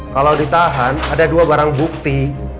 kalau ditahan ada dua barang bukti